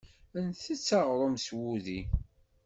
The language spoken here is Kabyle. Ntett aɣṛum s wudi.